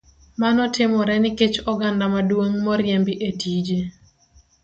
Mano timore nikech oganda maduong' moriembi e tije.